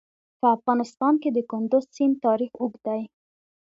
په افغانستان کې د کندز سیند تاریخ اوږد دی.